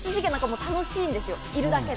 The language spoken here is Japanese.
楽しいですよ、いるだけで。